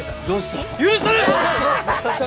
どうした？